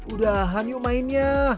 udahan yuk main ya